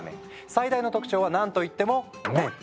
最大の特徴はなんと言っても麺。